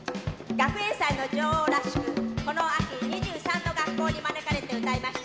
学園祭の女王らしくこの秋２３の学校に招かれて歌いました。